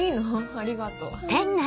ありがとう。